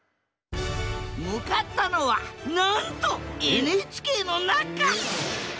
向かったのはなんとＮＨＫの中！